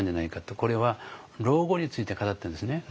これは老後について語ってるんですね。